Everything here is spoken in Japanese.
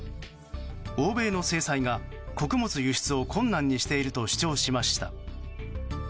欧米の制裁が穀物輸出を困難にしていると主張しました。